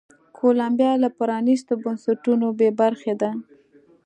کولمبیا له پرانیستو بنسټونو بې برخې ده.